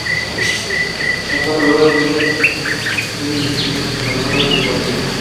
Las cuatro ruedas tenían suspensión independiente por barras de torsión.